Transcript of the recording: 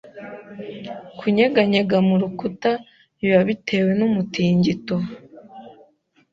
Kunyeganyega mu rukuta biba bitewe numutingito